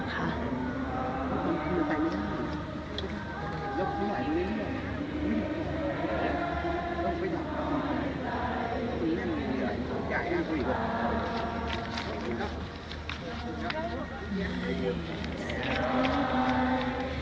สวัสดีทุกคน